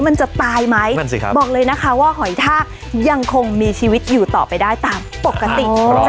มันจะตายไหมนั่นสิครับบอกเลยนะคะว่าหอยทากยังคงมีชีวิตอยู่ต่อไปได้ตามปกติ